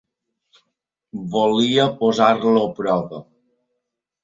Volia posar-lo a prova.